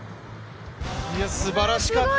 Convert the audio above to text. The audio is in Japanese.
すばらしかった！